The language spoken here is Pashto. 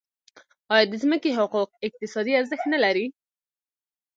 آیا د ځمکې حقوق اقتصادي ارزښت نلري؟